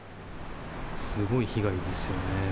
すごい被害ですよね。